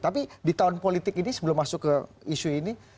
tapi di tahun politik ini sebelum masuk ke isu ini